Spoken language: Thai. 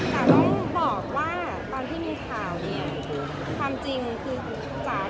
แต่ต้องบอกว่าตอนที่มีข่าวเนี่ยความจริงคือจ๋ากับพวกเขาเอง